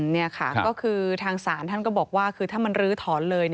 นี่ค่ะก็คือทางศาลท่านก็บอกว่าคือถ้ามันลื้อถอนเลย